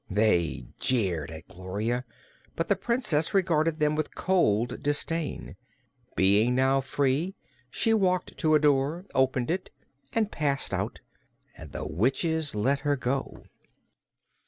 They jeered at Gloria, but the Princess regarded them with cold disdain. Being now free, she walked to a door, opened it and passed out. And the witches let her go.